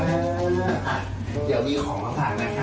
เดี๋ยวมีของมาฝากนะคะพวกมันพังอะไรกันไปนะคะ